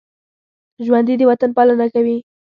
ژوندي د وطن پالنه کوي